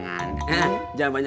masih obama ada